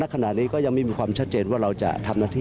ก็เลยรับการดินจันทร์จากท่าน